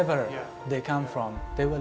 mereka akan datang